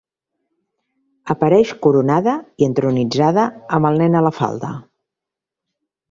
Apareix coronada i entronitzada amb el nen a la falda.